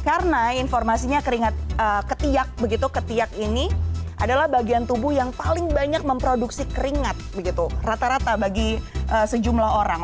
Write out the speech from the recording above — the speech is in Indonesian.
karena informasinya keringat ketiak begitu ketiak ini adalah bagian tubuh yang paling banyak memproduksi keringat begitu rata rata bagi sejumlah orang